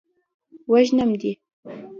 وژنم دې.